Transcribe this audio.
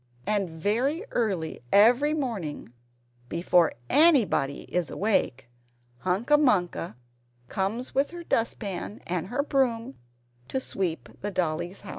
And very early every morning before anybody is awake Hunca Munca comes with her dust pan and her broom to sweep the Dollies' house!